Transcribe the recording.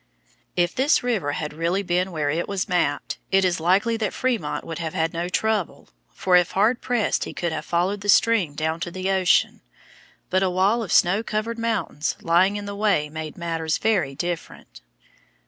If this river had really been where it was mapped, it is likely that Frémont would have had no trouble, for if hard pressed he could have followed the stream down to the ocean. But a wall of snow covered mountains lying in the way made matters very different.